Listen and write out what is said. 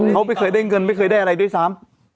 เขาไม่เคยได้เงินไม่เคยได้อะไรด้วยซ้ำ